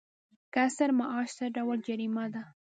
کسر معاش څه ډول جریمه ده؟